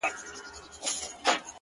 ما دي د حُسن انتها ته سجده وکړه”